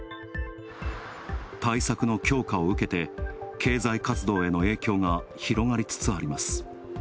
対策の強化を受けて経済活動への影響が広がりつつあります。